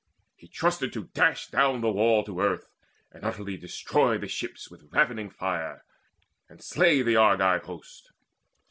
He trusted to dash down the wall To earth, and utterly destroy the ships With ravening fire, and slay the Argive host.